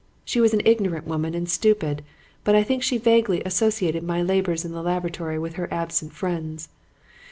She was an ignorant woman and stupid, but I think she vaguely associated my labors in the laboratory with her absent friends.